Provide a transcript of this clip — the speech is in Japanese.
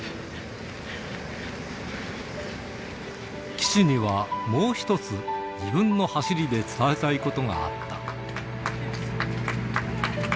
岸には、もう一つ自分の走りで伝えたいことがあった。